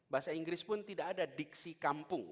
bahasa inggris pun tidak ada diksi kampung